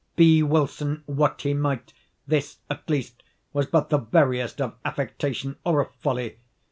Be Wilson what he might, this, at least, was but the veriest of affectation, or of folly.